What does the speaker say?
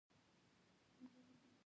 د کلیسا زنګ ږغ د عقیدې غږ دی.